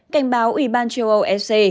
cảnh báo ủy ban châu âu sc